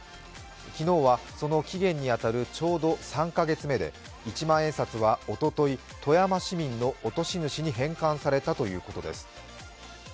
昨日はその期限に当たるちょうど３か月目で一万円札はおととい、富山市民の落とし主に返還されたということです。